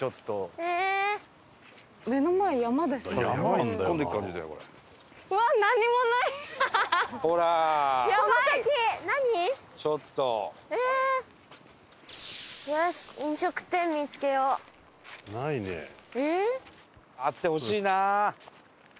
えっ？あってほしいな。